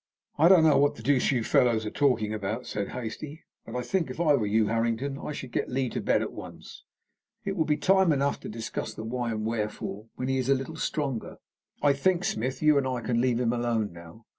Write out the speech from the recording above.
"I don't know what the deuce you fellows are talking about," said Hastie, "but I think, if I were you, Harrington, I should get Lee to bed at once. It will be time enough to discuss the why and the wherefore when he is a little stronger. I think, Smith, you and I can leave him alone now.